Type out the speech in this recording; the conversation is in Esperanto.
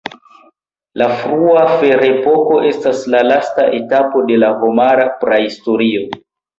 La frua ferepoko estas la lasta etapo de la homara prahistorio.